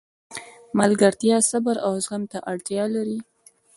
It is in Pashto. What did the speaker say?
ملګرتیا صبر او زغم ته اړتیا لري.